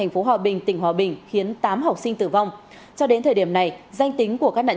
phối hợp thực hiện